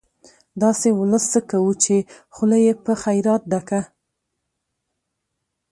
داسې ولس څه کوو، چې خوله يې په خيرات ډکه